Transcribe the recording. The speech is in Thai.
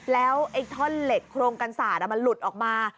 แล้วไอ้ท่อนเหล็กโครงกันสาดมันหลุดออกมา